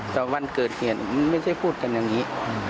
แต่วันเกิดเหตุไม่ใช่พูดกันอย่างนี้